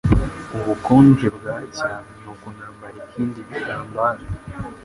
Ubukonje bwacya, nuko nambara ikindi gitambaro.